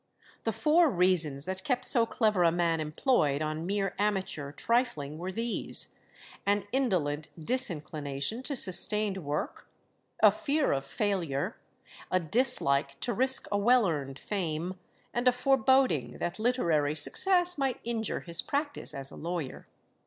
The four reasons that kept so clever a man employed on mere amateur trifling were these an indolent disinclination to sustained work, a fear of failure, a dislike to risk a well earned fame, and a foreboding that literary success might injure his practice as a lawyer.